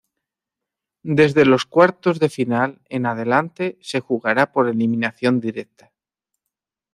Desde los cuartos de final en adelante se jugará por eliminación directa.